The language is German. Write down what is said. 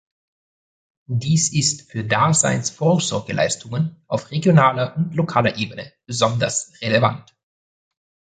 Dies ist für Daseinsvorsorgeleistungen auf regionaler und lokaler Ebene besonders relevant.